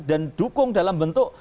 dan dukung dalam bentuk